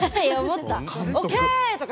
「ＯＫ！」とか。